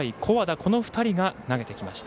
この２人が投げてきました。